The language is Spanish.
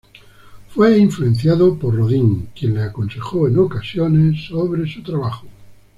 Fue influenciado por Rodin, quien le aconsejó en ocasiones sobre su trabajo.